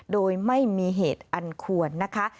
โดยไม่มีเหตุอันควรนะคะ